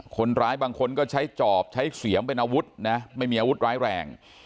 คนร้ายบางคนก็ใช้จอบใช้เสียมเป็นอาวุธนะไม่มีอาวุธร้ายแรง